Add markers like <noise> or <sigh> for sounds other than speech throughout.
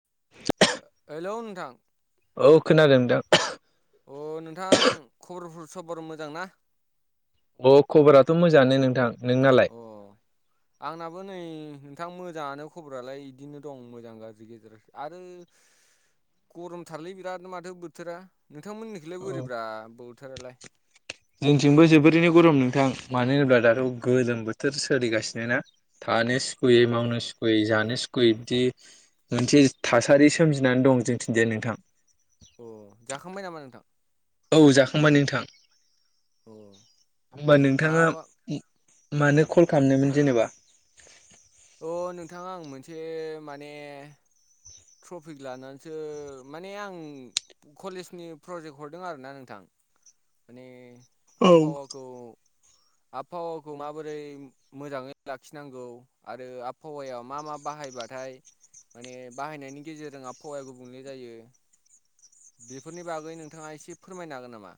<unintelligible> Hello नोंथां। औ खोनादों नोंथां <unintelligible> अ नोंथां खबरफोर सबर मोजां ना? अ खबराथ' मोजाङानो नोंथां। नोंनालाय? अ आंनाबो नै थां मोजाङानो खबरालाय इदिनो दं मोजां गाज्रि गेजेर आरो गरमथारलै बिरादनो माथो बोथोरा। नोंथांमोननिखौलाय औ बोरैब्रा बोथोरालाय? जोंथिंबो जोबोरैनो गरम नोंथां। मानो होनोब्ला दाथ' अ गोलोम बोथोर सोलिगासिनो ना। थानो सुखुयै गोलोम मावनो सुखुयै जानो सुख खुयै इदि मोनसे थासारि सोमजिनानै दं जोंनिथिंजाय नोंथां। अ जाखांबाय नामा नोंथां? औ जाखांबाय नोंथां। अ होमबा नोंथाङा माबा औ मानो कल खालामनायमोन जेनेबा अ नोंथां आं मोनसे माने ट्रफिक लानानैसो माने आं कलेजनि प्रजेक्ट हरदों आरो ना नोंथां। माने औ आबहावाखौ आबहावाखौ माबोरै मोजाङै लाखिनांगौ आरो आबहावायाव मा मा बाहायबाथाय माने बाहायनायनि गेजेरजों आबहावाया गुबुंले जायो। बेफोरनि बागै नोंथाङा एसे फोरमायनो हागोन नामा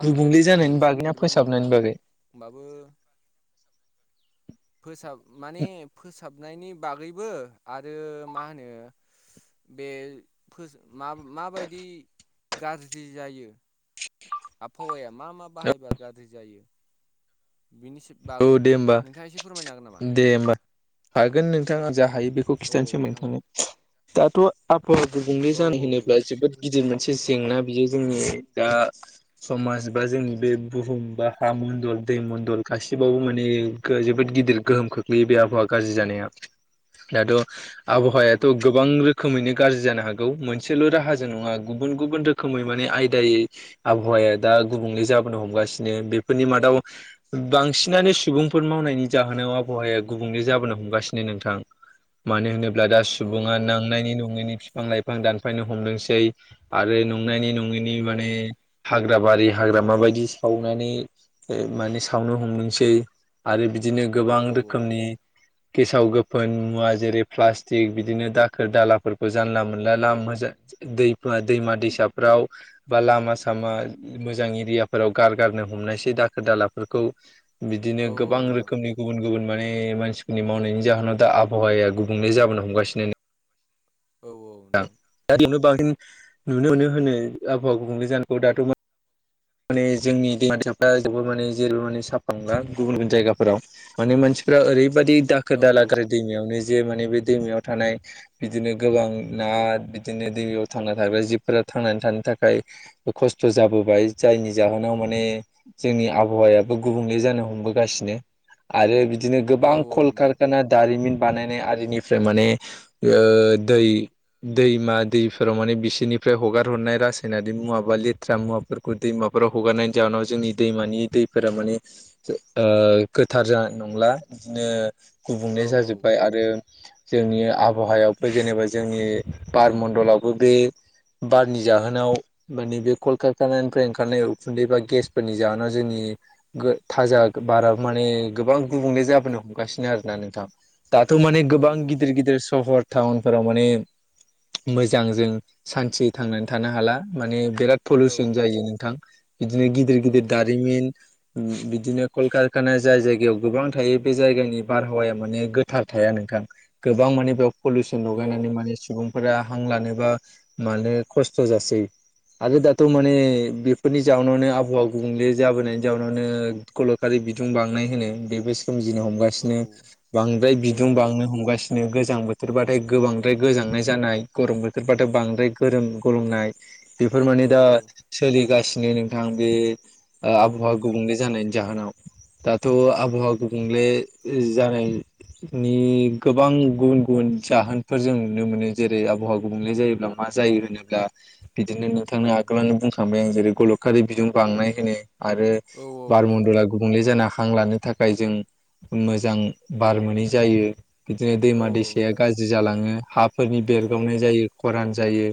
आं गुबुंले लिरनायाथ' जानायनि एसे बागै ना लिरबायमोन फोसाबनायनि नोंथां बागै होमबाबो <inaudible> फोसाब माने फोसाबनायनि बागैबो आरो मा होनो बे फो मा-माबायदि गाज्रि जायो आबहावाया मा मा बाहायबा गाज्रि जायो। बिनि औ बागै दे होमबा नोंथाङा एसे फोरमायनो हागोन नामा दे होमबा औ हागोन नोंथाङा जा हायो बेखौ औ औ खिथानोसै नोंथां दे नोंथांनो दाथ' आबहावा गुबुंले औ जानाय होनोब्ला जोबोद गिदिर मोन से जेंना बियो जोंनि दा समाज बा जोंनि बे बुहुम बा हा मनडल दै मन्दल गासिबावबो माने जोबोद गिदिर गोहोम खोख्लैयो बे आबहावा गाज्रि जानाया दाथ' औ आबहावायाथ' नोंथां गोबां रो खोमैनो गाज्रि जानो हागौ मोनसेल' राहाजों नङा गुबुन गुबुन रोखोमै माने आयदायै आबहावा दा गुबुंले जाबोनो हमगासिनो बेफोरनि मादाव बांसिनानो सुबुंफोर मावनायनि जाहोनाव आबहावाया गुबुंले जाबोनो हमगासिनो नोंथां मानो होनो ब्ला दा औ सुबुङा औ नोंथां नांनायनि नङैनि बिफां लाइफां दानफायनो हमदोंसै आरो नंनायनि नंङैनि औ माने हाग्राबारि हाग्रामाबादि सावनानै ओ माने सावनो हमदोंसै आरो बिदिनो गोबां औ रोखोमनि गेसाव गोफोन मुवा जेरै प्लास्टिक बिदिनो दाखोर दालाफोरखौ जानला मोनला लामा मोजां दै-दैमा दैसाफोराव बा लामा सामा मोजां एरियाफोराव गारगार नो हमनायसै दाखोर दाला फोरखौ बिदिनो औ गोबां नोंथां रोखोनि गुबन गुबन माने मानसिफोरनि मावनायनि जाहोनाव दा आबहावाया गुबुंले जाबोनो हमगासिनो औ औ नोंथां नोंथां दा बेयावनो बांसिन नुनो मोनो होनो आबहावा गुबुंले जानायखौ दाथ' माने जोंनि दैमा दैसाफ्रा जोबोद माने जोरबो माने साफा नंला गुबुन गुबुन जायगाफोराव माने मानसि फोरा ओरैबाददि दाखोर औ दाला गारो दैमायावनो जे माने बे दैमायाव थानाय बिदिनो गोबां ना बिदिनो दैमायाव थांना थाग्रा जिबफोरा थांनानै थानो थाखाय खस्थ' जाबोबाय जायनि जाहोनाव माने जोंनि आबहावायाबो गुबुंले जानो हमबोगासिनो आरो बिदिनो औ गोबां औ नोंथां कलकारखाना दारिमिन बानायनाय आरिनिफ्राय माने दै दैमा दैफोराव माने बिसोरनिफ्राय हगार हरनाय रासायनारि मुवा बा लेथ्रा मुवाफोर खौ दैमाफोराव हगारनायनि जाहोनाव जोंनि दैमानि दैफोरा माने ओ गोथार जा नंला बिदिनो गुबुंले औ जाजोब्बाय आरो जोंनि आबहावायावबो जेनेबा जोंनि बार मण्डलावबो बे बारनि जाहोनाव माने बे कलक ओंखारनायनिफ्राय ओंखारनाय उखुन्दै बा गेसफोरनि जाहोनाव जोंनि थाजा बारा माने गोबां गुबुंले जाबोनो हमगासिनो आरोना नोंथां दाथ' माने औ गोबां गिदिर नोंथां गिदिर सहर टाउनफोराव माने मोजां जों सान्थि थांनानै थानो हाला माने बिराद औ पलिउसन जायो नोंथां बिदिनो गिदिर औ गिदिर दारिमिन बिदिनो कलकारखानाया जाय जायगायाव गोबां थायो बे जायगानि बारहावाया माने गोथार थायानो नोंथां गोबां माने बेयाव पउसन अ लगायनानै औ माने सुबुं फोर हां लानोबा मानो खस्थ' जासै आरो दा थ' माने बेफोरनि जाउनावनो आबहावा गुबुंले जाबोनायनि जाउनावनो गलखारि बिदुं बांनाय मोनो बेबो सोमजिनो औ हमगासिनो बांद्राय बिदुं बांनो हमगा बिदिनो गोजां बोथोरबाथाय गोबांद्राय गोजांनाय जानाय गरम बोथोरबथाय बांद्राय गोरोम गरमनाय बेफोर मान औ नोंथां औ नोंथां औ नोंथां औ नोंथां औ नोंथां औ दा औ औ नोंथां औ औ सोलिगासिनो नोंथां बे आबहावा गुबुंले जानायनि जाहोनाव दाथ' आबहावा गुबुंले। जानायनि गोबां गुबुन गुबुन जाहोनफोर जों नुनो मोनो जेरै आ बहा गुबुंले जायोब्ला मा जायो होनोब्ला बिदिनो नोंथांनो गोनो बुंखांबाय आं जेरै गलकखारि बिजों बांनाय होनो आरो बारमन्दला गुबुंले जाना हां लानो थाखाय जों मोजां बार मोनै जायो। बिदिनो दैमा दैसाया गाज्रि जालाङो हाफोरनि बेरगावनाय जायो खरान जायो।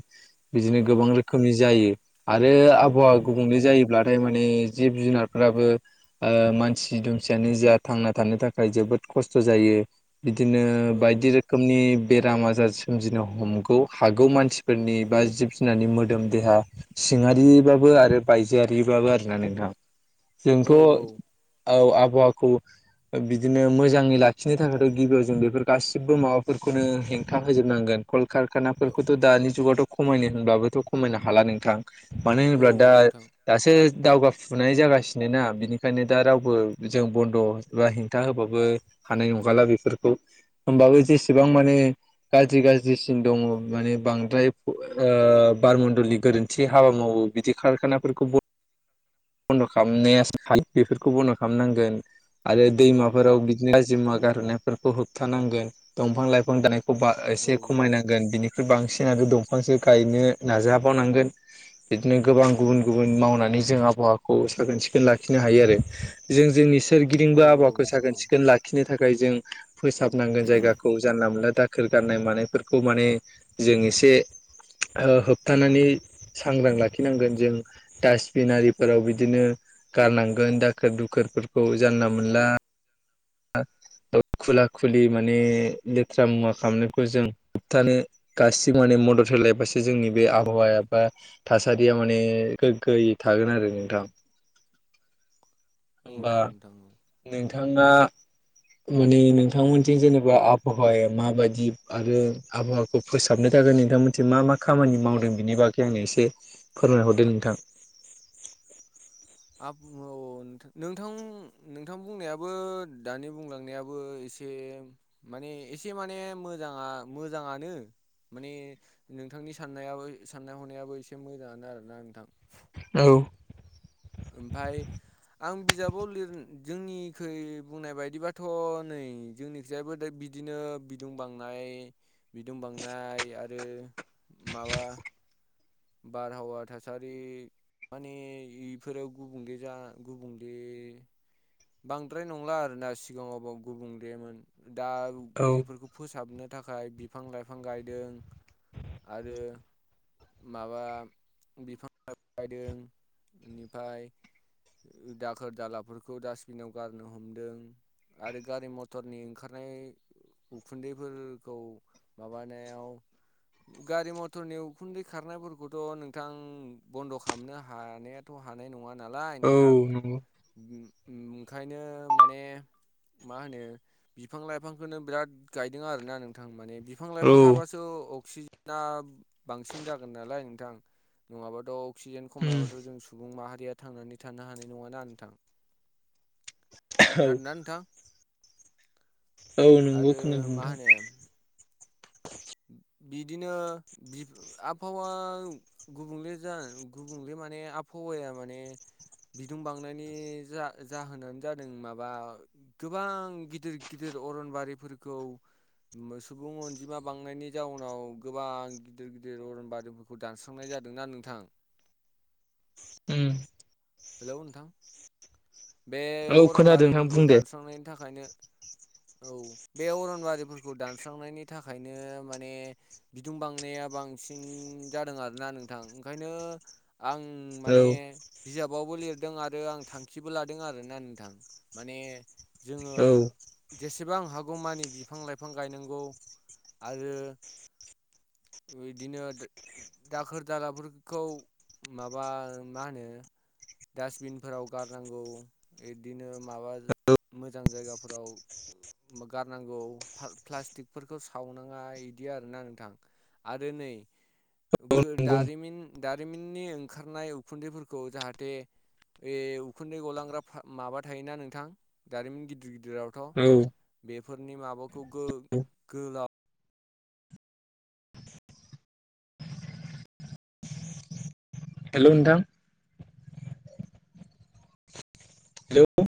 बिदिनो गोबां रोखोमनि जायो। आरो आबहावा गुबुंले जायोब्लाथाय माने जिब जुनारफोराबो मानसि दुमसियानो जा थांना थानो थाखाय जोबोद खस्थ' जायो। बिदिनो बायदि रोखोमनि बेराम आजार सोमजिनो हमगौ हागौ मानसिफोरनि बा जिब जुनारनि मोदोम देहा सिङारिबाबो आरो बायजोआरिबाबो आरोना नोंथां जोंथ' औ आब'आखौ। बिदिनो मोजाङै लाखिनो थाखायथ' गिबियाव जों बेफोर गासिबो माबाफोरखौनो हेंथा होजोबनांगोन। कलकारखानाफोरखौथ' दानि जुगावथ' खमायनो होनबबोथ' खमायनो हा नों मानो होनोब्ला दा दासो दावगाफुनाय जागासिनो ना बिनिखायनो दा रावबो जों बन्द' बा हेंथा होबाबो हानाय नंखाला बेफोरखौ होमबाबो जेसेबां माने गाज्रि गाज्रिसिन दङ माने बांद्राय ओ बारमण्डलनि गोरोन्थि थि हाबा मावो बिदि खारखानाफोरखौ बन्द' खालामनाय बेफोरखौ बन्द' खालामनांगोन। आरो दैमाफोराव बिदिनो आाजि मुवा गारोननायफोरखौ होबथानांगोन दंफां लाइफां दानाय एसे खमायनांगोन बिनिख्रुइ बांसिन आरो दंफांसो गायनो नाजाबावनांगोन। बिदिनो गोबां गुबुन गुबुन मावनानै जों आबहावाखौ साखोन सिखोन लाखिनो हायो आरो जों जोंनि सोरगिदिंबो आबावाखौ साखोन सिखोन लाखिनो थाखाय जों फोसाबनांगोन जायगाखौ जानला मोनला दाखोर गारनाय मानायफोरखौ माने जों एसे होबथानानै सांग्रां लाखिनांगोन जों डास्टबिन आरिफोराव बिदिनो गारनांगोन दाखोर दुखोरफोरखौ जानला मोनला खुला खुलि माने लेथ्रा मुवा खालामनायखौ जों होबथानो गासिबो माने मदद होलायबासो जोंनि बे आबहावाया बा थासारिया माने गोग्गो थागोन आरो नोंथां। औ नोंथां औ। थांआ। माने नोंथांमोनजों जेनेबा आबहावाया माबायदि आरो आबहावाखौ फोसाबनो जागोन नोंथां मोनसे मा मा खामानि मावदों बेनि बागै आंनो एसे फोरमायहरदों नोंथां। <unintelligible> औ। नोंथां नोंथां बुंनायाबो दानि बुंलांनायाबो एसे म माने एसे माने मोजाङा मोजाङानो माने नोंथांनि साननायाबो साननाय हनायाबो एसे मोजाङानो आरोना नोंथां। औ। ओमफाय आं बिजाबाव लिर जोंनिखै बुंनाय बायदिबाथ' नै जोंनिखयाबो दिनो बिदुं बांनाय बिदुं बांनाय आरो माबा बारहावा थासारि माने इफोराव गुबुंले जा गुबुंले बांद्राय नंला आरोना सिगाङाव गुबुंलेमोन दा औ बेफोरखौ फोसाबनो थाखाय बिफां लाइफां गायदों आरो माबा बिफां ला बायदों बेनिफ्राय दाखोर दालाफोरखौ दासि बिनाव गारनो हमदों आरो गारि मथरनि ओंखारनाय उखुन्दैफोरखौ माबानायाव गारि मथरनि उखुन्दै खारनायफोरखौथ' नोंथां बन्द' खालामनो हानायाथ' हानाय नङा नालाय औ नोंथां नंगौ ओंखायनो माने मा होनो बिफां लाइफांखौनो बिराद गायदों आरोना नोंथां माने बिफां औ लाइफां थाबासो अक्सिजेना बांसिन जागोन नालाय नोंथां। नङाबाथ' अक्सिजेन उम खमायाबाथ' जों सुबुं माहारिया थांनानै थानो हानाय नङाना नोंथां। औ खोनदोंना नोंथां। औ नंगौ आरो खोनादों मा होनो नोंथां। बिदिनो आबहावा गुबुंले जा गुबुंले माने आबहावायााया माने बिदुं बांनायनि जा जाहोनानो जादों माबा गोबां गिदिर गिदिर अनबारि सुबुं अनजिमा बांनायनि जाउनाव गोबां गिदिर गिदिर अरन बादिफोरखौ दानस्रांनाय जादोंना नोंथां <unintelligible> <inaudible> <unintelligible> <inaudible> हेलौ नोंथां बे औ खोनादों नोंथां अरनबारिफोरखौ बुं दे दानस्रांनायनि थाखायनो <unintelligible> <inaudible> औ बे अरनबारिफोरखौ दानस्रांनायनि थाखायनो माने बिदुं बांनाय बा बांसिन जादों आरोना नोंथां ओंखायनो आं मान औ बिजाब गोबावबो लिरदों आरो आं थांखिबो लादों आरोना नोंथां माने जोङो औ जेसे एसेबां हागौमानि बिफां लाइफां गायनांगौ आरो बिदिनो दाखोर दालाफोरखौ माबा मा होनो डास्टबिनफोराव गारनांगौ बिदिनो माबा मोजां जायगाफोराव गारनांगौ प्लास्टिकफोरखौ सावनाङा बिदि आरोना नोंथां। आरो नै औ नंगौ दारिन दारिमिननि ओंखारनाय उखुन्दैफोरखौ जाहाथे जाथे बे उखुन्दै गलांग्रा माबा थायोना नोंथां दारिमिन गिदिर गिदिर औ गिदिरावथ' बेफोरनि माबाखौ गोलाव <unintelligible> <inaudible> हेल' नोंथां। हेल'